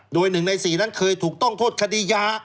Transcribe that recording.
โดย๑ใน๔นั้นเคยถูกต้องโทษคดียา